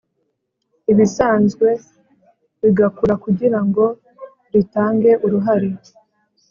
ibisanzwe bigakura kugira ngo ritange uruhare